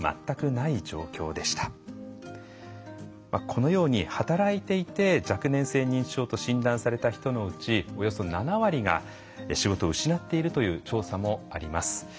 このように働いていて若年性認知症と診断された人のうちおよそ７割が仕事を失っているという調査もあります。